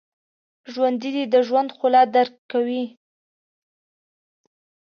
ژوندي د ژوند ښکلا درک کوي